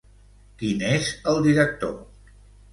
Qui n'és el director?